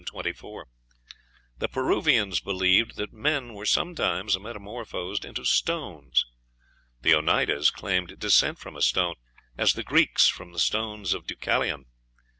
The Peruvians believed that men were sometimes metamorphosed into stones. The Oneidas claimed descent from a stone, as the Greeks from the stones of Deucalion.